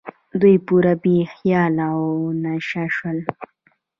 دوی پوره بې حاله او نشه شول.